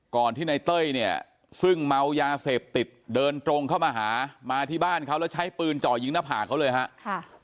ที่ในเต้ยเนี่ยซึ่งเมายาเสพติดเดินตรงเข้ามาหามาที่บ้านเขาแล้วใช้ปืนจ่อยิงหน้าผากเขาเลยฮะ